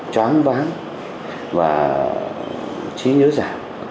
chán ván và chí nhớ giảm